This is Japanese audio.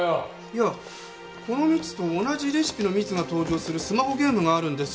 いやこの蜜と同じレシピの蜜が登場するスマホゲームがあるんです。